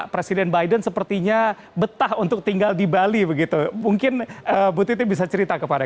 presiden biden sepertinya betah untuk tinggal di bali begitu mungkin bu titi bisa cerita kepada